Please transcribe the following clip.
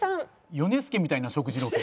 ヨネスケみたいな食事ロケ。